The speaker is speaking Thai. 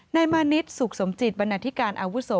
นายมานิดสุขสมจิตบรรณาธิการอาวุโส